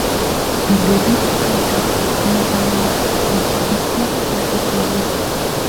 Il débute plus tard une carrière de technicien du football.